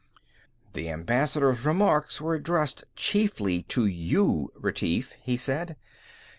"The Ambassador's remarks were addressed chiefly to you, Retief," he said.